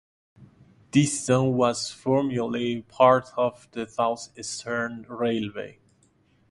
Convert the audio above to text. This Zone was formerly part of the South Eastern Railway.